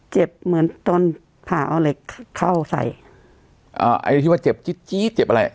เหมือนตอนผ่าเอาเหล็กเข้าใส่อ่าไอ้ที่ว่าเจ็บจี๊ดจี๊ดเจ็บอะไร